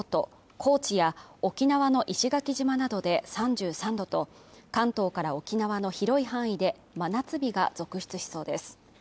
高知や沖縄の石垣島などで３３度と関東から沖縄の広い範囲で真夏日が続出しそうです